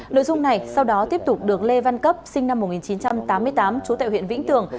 nội dung này sau đó tiếp tục được lê văn cấp sinh năm một nghìn chín trăm tám mươi tám trú tại huyện vĩnh tường